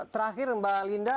terakhir mbak linda